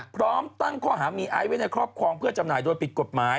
พร้อมตั้งข้อหามีไอซ์ไว้ในครอบครองเพื่อจำหน่ายโดยผิดกฎหมาย